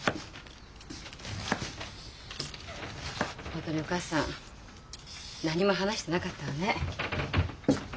本当にお母さん何も話してなかったわね。